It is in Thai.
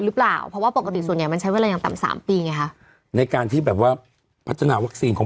หรือเปล่าเพราะว่าปกติส่วนใหญ่มันใช้เวลายังต่ำสามปีไงคะในการที่แบบว่าพัฒนาวัคซีนของ